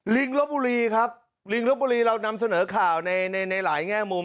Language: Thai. ลิงลบบุรีครับลิงลบบุรีเรานำเสนอข่าวในในหลายแง่มุม